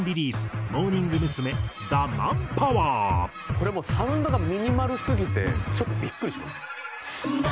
これもサウンドがミニマルすぎてちょっとビックリします。